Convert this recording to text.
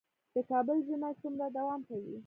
د کابل ژمی څومره دوام کوي؟